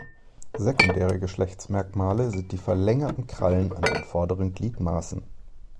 Sekundäre Geschlechtsmerkmale sind die verlängerten Krallen an den vorderen Gliedmaßen.